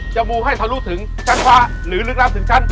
จะมูให้เธอรู้ถึงชั้นขวาหรือลึกล้ามถึงชั้น